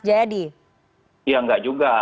jadi ya enggak juga